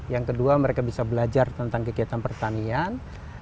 yang kedua mereka bisa belajar tentang kegiatan pertanian